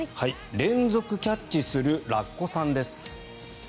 連続キャッチするラッコさんです。